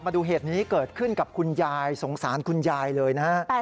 มาดูเหตุนี้เกิดขึ้นกับคุณยายสงสารคุณยายเลยนะฮะ